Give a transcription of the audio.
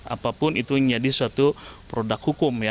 apapun itu menjadi suatu produk hukum ya